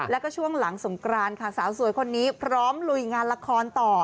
แล้วก็ช่วงหลังสงกรานค่ะสาวสวยคนนี้พร้อมลุยงานละครต่อ